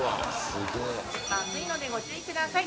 熱いのでご注意ください。